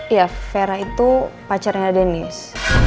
ya vera itu pacarnya denis